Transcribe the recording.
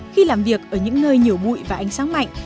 khi làm việc ở những nơi nhiều bụi và ánh sáng mạnh